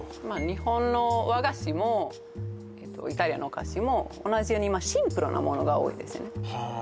日本の和菓子もイタリアのお菓子も同じようにシンプルなものが多いですよねはあ